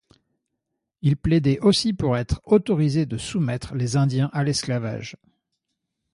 Ils plaidaient aussi pour être autorisés de soumettre les Indiens à l'esclavage.